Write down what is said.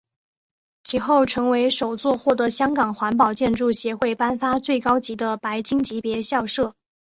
其后成为首座获得香港环保建筑协会颁发最高级的白金级别校舍。